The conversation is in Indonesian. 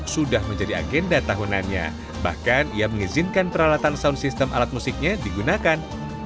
sudah menjadi agenda tahunannya bahkan ia mengizinkan peralatan sound system alat musiknya digunakan